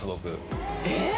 えっ？